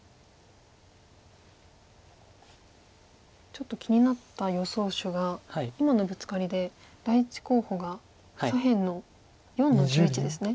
ちょっと気になった予想手が今のブツカリで第１候補が左辺の４の十一ですね。